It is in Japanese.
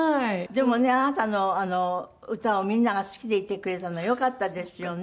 でもねあなたの歌をみんなが好きでいてくれたのよかったですよね。